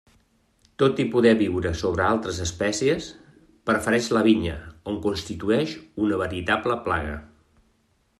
Tot i poder viure sobre altres espècies, prefereix la vinya, on constitueix una veritable plaga.